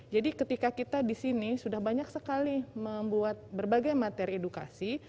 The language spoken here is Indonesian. jadi ketika kita di sini sudah banyak sekali membuat berbagai materi edukasi